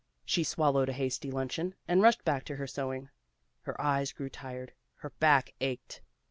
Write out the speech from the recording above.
She swallowed a hasty luncheon and rushed back to her sewing. Her eyes grew tired, her back ached.